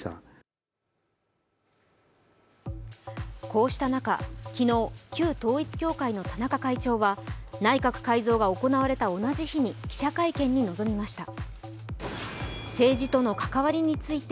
こうした中、昨日、旧統一教会の田中会長は、内閣改造が行われた同じ日に記者会見に臨みました。